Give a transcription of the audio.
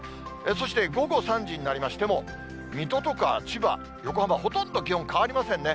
そして午後３時になりましても、水戸とか千葉、横浜、ほとんど気温変わりませんね。